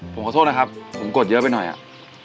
ผมขอโทษนะครับผมกดเยอะไปหน่อยอ่ะ